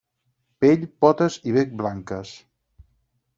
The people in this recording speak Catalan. Pell, potes i bec blanques.